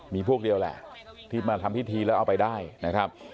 มีพวกเดียวแหละที่มาทำพิธีแล้วเอาไปได้นะครับ